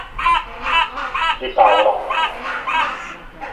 De Paula